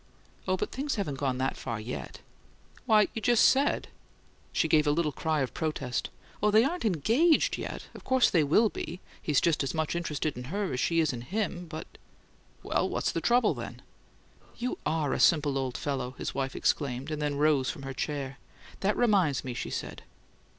"Oh, but things haven't gone that far yet." "Why, you just said " She gave a little cry of protest. "Oh, they aren't ENGAGED yet. Of course they WILL be; he's just as much interested in her as she is in him, but " "Well, what's the trouble then?" "You ARE a simple old fellow!" his wife exclaimed, and then rose from her chair. "That reminds me," she said.